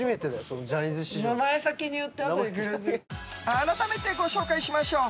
改めてご紹介しましょう。